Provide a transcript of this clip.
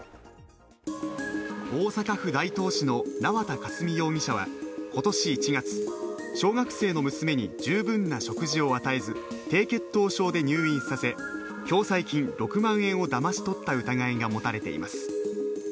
大阪府大東市の縄田佳純容疑者は今年１月、小学生の娘に十分な食事を与えず、低血糖症で入院させ、共済金６万円をだまし取った疑いが持たれています。